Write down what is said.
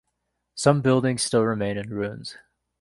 Some buildings still remain in ruins.